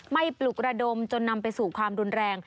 ปลุกระดมจนนำไปสู่ความรุนแรง